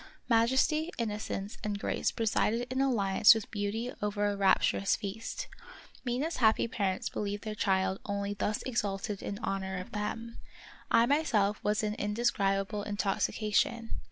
Majesty, innocence, and grace presided in alliance with beauty over a rapturous feast. Mina's happy parents believed their child only thus exalted in honor of them. I myself was in an indescribable intoxication.